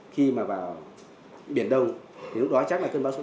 khi mà vào biển đông thì lúc đó chắc là cơn bão số tám rồi